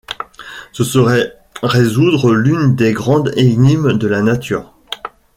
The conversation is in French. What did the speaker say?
Ce serait résoudre l'une des grandes énigmes de la nature.